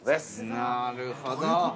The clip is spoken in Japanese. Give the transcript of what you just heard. ◆なるほど。